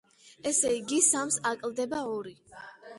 ესე იგი, სამს აკლდება ორი.